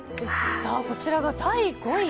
こちらが第５位。